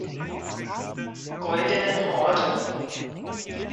Goldenen Horde.